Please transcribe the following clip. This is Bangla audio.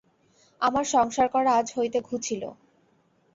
আমার সংসার করা আজ হইতে ঘুচিল।